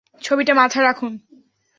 ছবিটা মাথায় রাখুন।